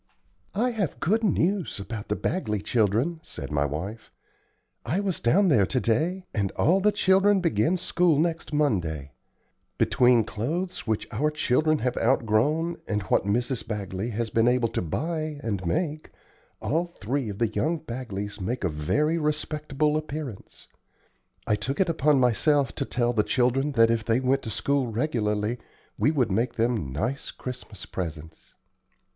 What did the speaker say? "I have good news about the Bagley children," said my wife. "I was down there to day, and all the children begin school next Monday. Between clothes which our children have outgrown, and what Mrs. Bagley has been able to buy and make, all three of the young Bagleys make a very respectable appearance. I took it upon myself to tell the children that if they went to school regularly we would make them nice Christmas presents."